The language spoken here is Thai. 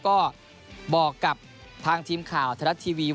ก็บอกกับทางทีมข่าวไทยรัฐทีวี